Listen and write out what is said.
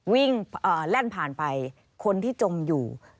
แล่นผ่านไปคนที่จมอยู่